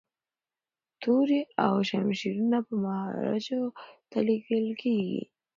توري او شمشیرونه به مهاراجا ته لیږل کیږي.